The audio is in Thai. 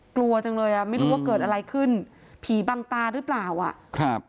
กลัวจังเลยอ่ะไม่รู้ว่าเกิดอะไรขึ้นผีบังตาหรือเปล่าอ่ะครับ